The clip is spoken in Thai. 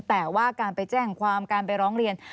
แต่ว่าการไปแจ้งความการไปร้องเรียน